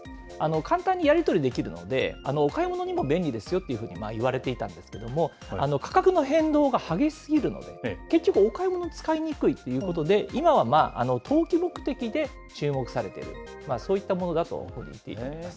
簡単にやり取りできるので、お買い物にも便利ですよというふうにいわれていたんですけれども、価格の変動が激しすぎるので、結局お買い物に使いにくいということで、今は投機目的で注目されている、そういったものだと言っていいと思います。